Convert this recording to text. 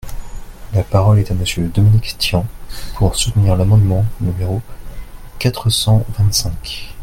La parole est à Monsieur Dominique Tian, pour soutenir l’amendement numéro quatre cent vingt-cinq.